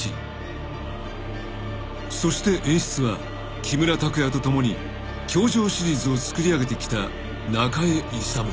［そして演出は木村拓哉と共に『教場』シリーズをつくり上げてきた］